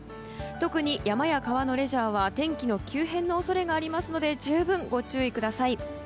特に山や川のレジャーは天気の急変の恐れがありますので十分ご注意ください。